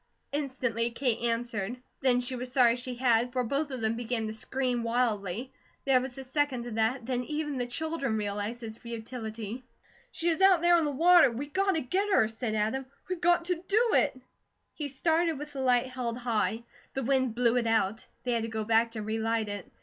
Instantly Kate answered. Then she was sorry she had, for both of them began to scream wildly. There was a second of that, then even the children realized its futility. "She is out there in the water, WE GOT TO GET HER," said Adam. "We got to do it!" He started with the light held high. The wind blew it out. They had to go back to relight it.